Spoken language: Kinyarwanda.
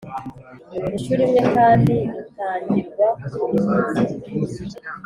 inshuro imwe kandi rutangirwa ku Buyobozi